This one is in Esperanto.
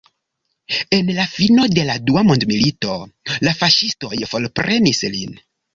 En la fino de la dua mondmilito la faŝistoj forprenis lin.